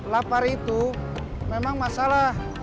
lapar itu memang masalah